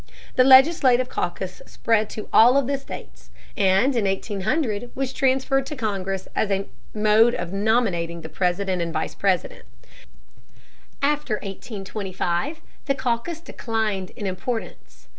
The legislative caucus spread to all of the states, and in 1800 was transferred to Congress as a mode of nominating the President and Vice President. After 1825 the caucus declined in importance.